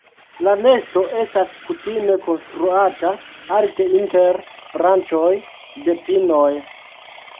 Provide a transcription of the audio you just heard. La nesto estas kutime konstruata alte inter branĉoj de pinoj.